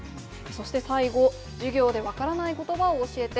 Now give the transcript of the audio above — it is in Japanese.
そして最後、授業で分からないことばを教えて。